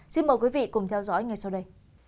xin mời quý vị cùng theo dõi ngay sau đây